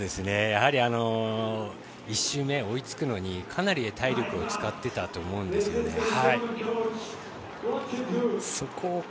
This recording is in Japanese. やはり１周目追いつくのにかなり、体力を使っていたと思うんですよね。